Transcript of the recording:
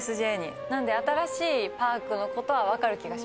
なんで新しいパークのことは分かる気がします。